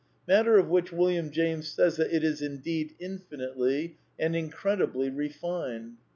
Matter of which William James says that it is ^^ indeed infinitely and incredibly refined."